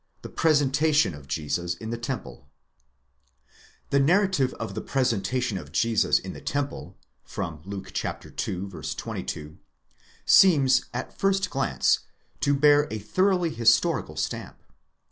THE PRESENTATION OF JESUS IN THE TEMPLE, The narrative of the presentation of Jesus in the temple (Luke ii. 22) seems, at the first glance, to bear a thoroughly historical stamp.